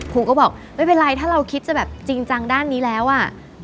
ครูก็บอกไม่เป็นไรถ้าเราคิดจะแบบจริงจังด้านนี้แล้วอ่ะ